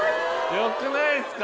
よくないですか？